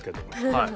はい。